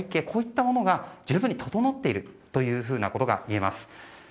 こういったものが十分に整っているということが言えます。